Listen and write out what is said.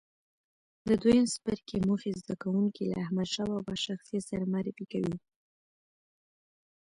د دویم څپرکي موخې زده کوونکي له احمدشاه بابا شخصیت سره معرفي کوي.